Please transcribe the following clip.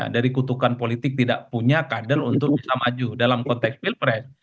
dari kutukan politik tidak punya kader untuk bisa maju dalam konteks pilpres